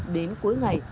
đến cuối ngày